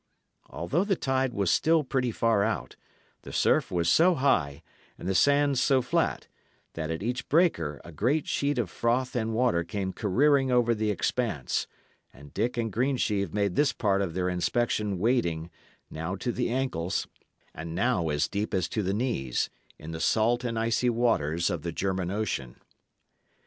Although the tide was still pretty far out, the surf was so high, and the sands so flat, that at each breaker a great sheet of froth and water came careering over the expanse, and Dick and Greensheve made this part of their inspection wading, now to the ankles, and now as deep as to the knees, in the salt and icy waters of the German Ocean.